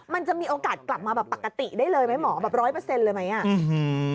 มันจะมีโอกาสกลับมาปกติได้เลยไหมหมอ๑๐๐